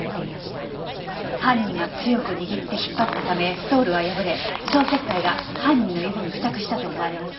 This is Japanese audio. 犯人が強く握って引っ張ったためストールは破れ消石灰が犯人の指に付着したと思われます。